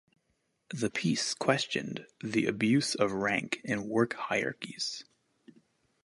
The piece questioned the abuse of rank in work hierarchies.